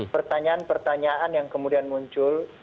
pertanyaan pertanyaan yang kemudian muncul